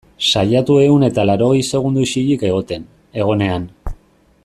Saiatu ehun eta laurogei segundo isilik egoten, egonean.